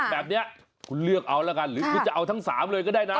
แบบนี้คุณเลือกเอาแล้วกันหรือคุณจะเอาทั้ง๓เลยก็ได้นะ